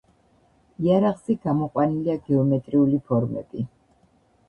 იარაღზე გამოყვანილია გეომეტრიული ფორმები.